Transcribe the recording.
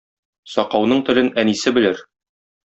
Сакауның телен әнисе белер.